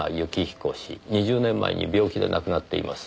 ２０年前に病気で亡くなっています。